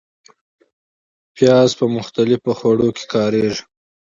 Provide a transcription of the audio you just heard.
پیاز په مختلفو خوړو کې کارېږي